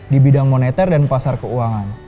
di bidang moneter dan pasar keuangan